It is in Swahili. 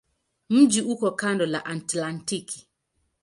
Mji uko kando la Atlantiki.